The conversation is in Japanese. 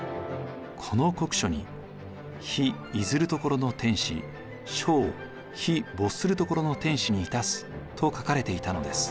この国書に「日出づる処の天子、書を日没する処の天子に致す」と書かれていたのです。